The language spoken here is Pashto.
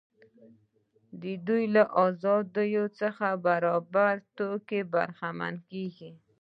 دوی له ازادیو څخه په برابره توګه برخمن کیږي.